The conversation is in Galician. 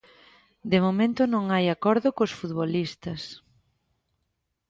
De momento non hai acordo cos futbolistas.